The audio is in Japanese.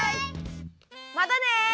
またね！